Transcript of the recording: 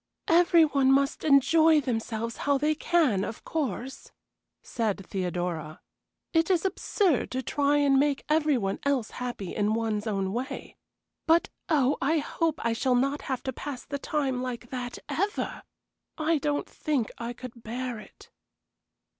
"Every one must enjoy themselves how they can, of course," said Theodora. "It is absurd to try and make any one else happy in one's own way, but oh, I hope I shall not have to pass the time like that, ever! I don't think I could bear it."